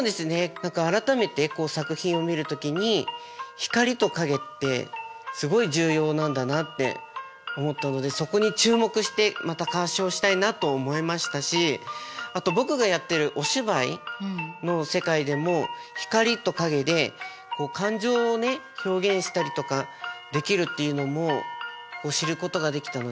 何か改めて作品を見る時に光と影ってすごい重要なんだなって思ったのでそこに注目してまた鑑賞したいなと思いましたしあと僕がやってるお芝居の世界でも光と影で感情をね表現したりとかできるっていうのも知ることができたのでね